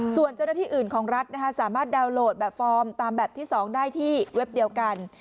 ส่วนเจ้าหน้าที่อื่นของรัฐสามารถดาวน์โหลดแบบฟอร์มตามแบบที่๒ได้ที่เว็บเดียวกัน